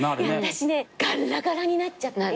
私ねガッラガラになっちゃって。